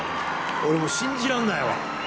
俺もう信じらんないわ。